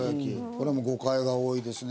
これも誤解が多いですね。